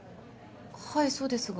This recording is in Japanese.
はいそうですが。